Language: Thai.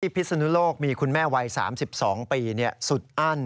พิศนุโลกมีคุณแม่วัย๓๒ปีสุดอั้น